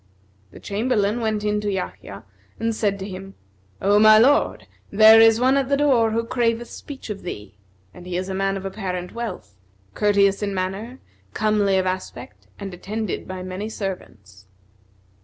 The Chamberlain went in to Yahya and said to him, "O my lord, there is one at the door who craveth speech of thee; and he is a man of apparent wealth, courteous in manner, comely of aspect and attended by many servants."